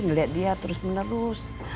ngeliat dia terus menerus